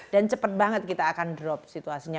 dan cepat banget kita akan drop situasinya